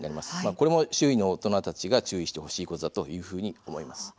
これも周囲の大人たちが注意してほしいことだと思います。